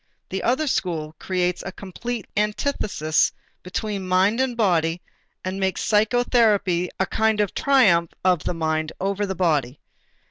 The other school creates a complete antithesis between mind and body and makes psychotherapy a kind of triumph of the mind over the body.